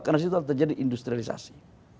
karena itu harus terjadi industrialisasi